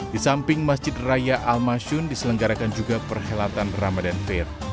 di samping masjid raya al masyun diselenggarakan juga perhelatan ramadhan fair